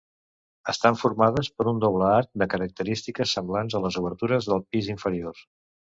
Estan formades per un doble arc de característiques semblants a les obertures del pis inferior.